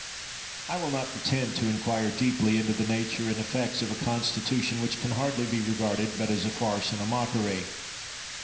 I will not pretend to inquire deeply into the nature and effects of a constitution which can hardly be regarded but as a farce and a mockery.